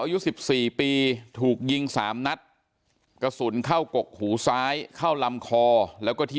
อายุสิบสี่ปีถูกยิงสามนัดกระสุนเข้ากกหูซ้ายเข้าลำคอแล้วก็ที่